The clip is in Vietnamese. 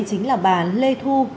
chính là bà lê thu